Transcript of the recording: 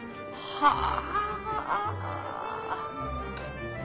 はあ。